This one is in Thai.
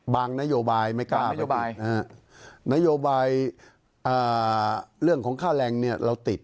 บางนโยบายไม่กล้าเอาป้ายไปติดนโยบายเรื่องของค่าแรงเนี่ยเราติด